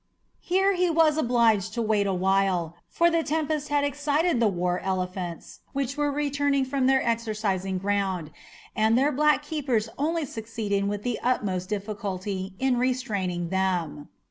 Here he was obliged to wait awhile, for the tempest had excited the war elephants which were returning from their exercising ground, and their black keepers only succeeded with the utmost difficulty in restraining them.